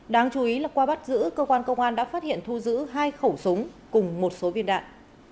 đáng chú ý là qua bắt giữ cơ quan công an đã phát hiện thu giữ hai khẩu súng cùng một số viên đạn